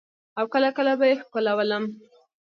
او کله کله به يې ښکلولم.